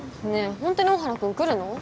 ホントに大原君来るの？